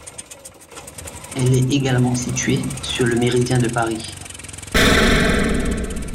Elle est également située sur le méridien de Paris.